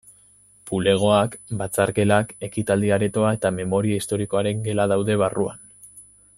Bulegoak, batzar-gelak, ekitaldi-aretoa eta Memoria Historikoaren gela daude barruan.